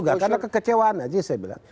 tidak juga karena kekecewaan aja saya bilang